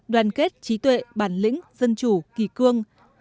đoàn kết trí tuệ bản lĩnh dân chủ kỳ cương